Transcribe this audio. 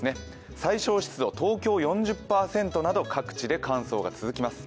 最少湿度、東京４０％など各地で乾燥が続きます。